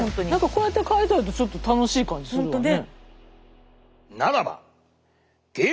こうやって書いてあるとちょっと楽しい感じするわね。